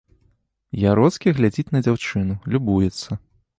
Яроцкі глядзіць на дзяўчыну, любуецца.